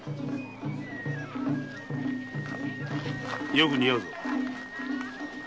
よく似合うぞ。